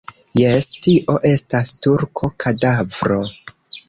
Jes, tio estas turko, kadavro.